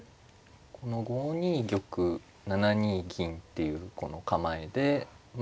この５二玉７二銀っていうこの構えでまあ６四歩。